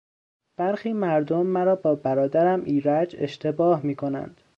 برخی مردم مرا با برادرم ایرج اشتباه می کنند.